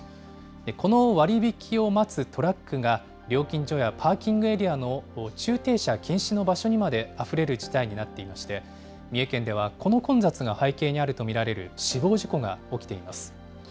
この割引を待つトラックが、料金所やパーキングエリアの駐停車禁止の場所にまであふれる事態になっていまして、三重県ではこの混雑が背景にあると見られる死亡事故が起きています。